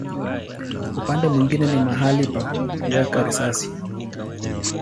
Upande mwingine ni mahali pa kuweka risasi.